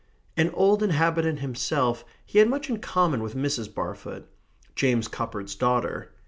An old inhabitant himself, he had much in common with Mrs. Barfoot James Coppard's daughter.